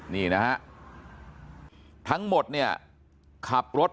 นี่นะฮะทั้งหมดเนี่ยขับรถ